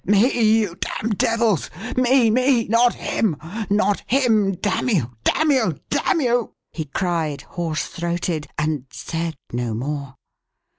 "Me, you damned devils! Me, me, not him! Not him, damn you! damn you! damn you!" he cried, hoarse throated and said no more!